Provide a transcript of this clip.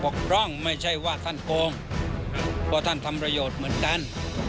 กพร่องไม่ใช่ว่าท่านโกงเพราะท่านทำประโยชน์เหมือนกัน